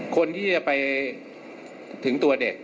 คนที่จะไปถึงตัวเด็ก